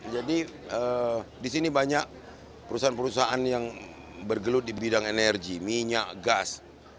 jadi di sini banyak perusahaan perusahaan yang bergelut di bidang energi minyak gas